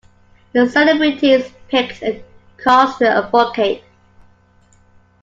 The celebrities picked a cause to advocate.